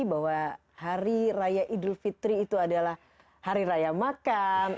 bahwa hari raya idul fitri itu adalah hari raya makan